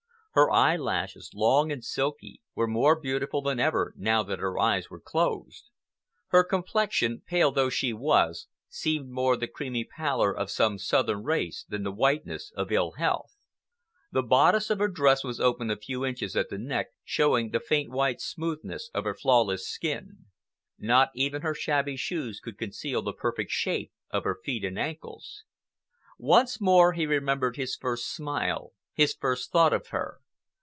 Her eyelashes, long and silky, were more beautiful than ever now that her eyes were closed. Her complexion, pale though she was, seemed more the creamy pallor of some southern race than the whiteness of ill health. The bodice of her dress was open a few inches at the neck, showing the faint white smoothness of her flawless skin. Not even her shabby shoes could conceal the perfect shape of her feet and ankles. Once more he remembered his first simile, his first thought of her.